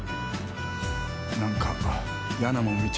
何か嫌なもん見ちゃったな。